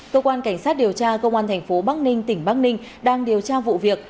cơ quan cảnh sát điều tra công an thành phố bắc ninh tỉnh bắc ninh đang điều tra vụ việc